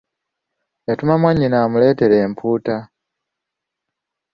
Yatuma mwannyina amuleetere empuuta.